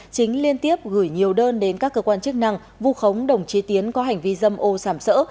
chính liên tiếp gửi nhiều đơn đến các cơ quan chức năng vu khống đồng chí tiến có hành vi dâm ô sảm sỡ